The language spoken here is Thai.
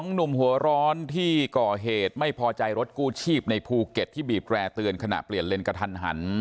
หนุ่มหัวร้อนที่ก่อเหตุไม่พอใจรถกู้ชีพในภูเก็ตที่บีบแร่เตือนขณะเปลี่ยนเลนกระทันหัน